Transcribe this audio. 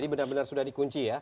jadi benar benar sudah dikunci ya